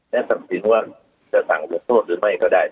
และตัดสินว่าจะสั่งลงโทษหรือไม่ก็ได้